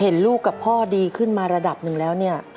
เห็นลูกกับพ่อดีขึ้นมาระดับหนึ่งแล้วเนี่ย